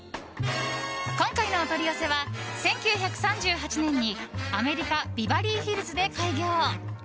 今回のお取り寄せは１９３８年にアメリカ・ビバリーヒルズで開業。